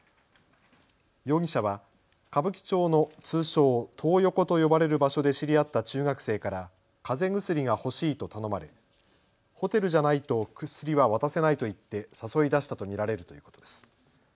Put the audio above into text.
容疑者は歌舞伎町の通称トー横と呼ばれる場所で知り合った中学生から、かぜ薬が欲しいと頼まれホテルじゃないと薬は渡せないと言って誘い出したと見られるということです。